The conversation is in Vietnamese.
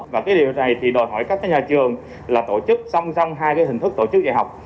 và cái điều này thì đòi hỏi các nhà trường là tổ chức song song hai cái hình thức tổ chức dạy học